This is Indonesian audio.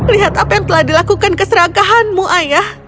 lihat apa yang telah dilakukan keserakahanmu ayah